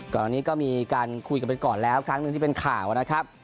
ก่อนอันนี้ก็มีการคุยกันไปก่อนแล้วครั้งหนึ่งที่เป็นข่าวนะครับ